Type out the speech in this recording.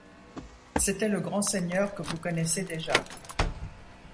C’était le grand seigneur que vous connaissez déjà.